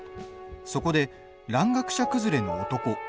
そこで、蘭学者崩れの男